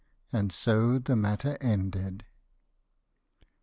And so the matter ended.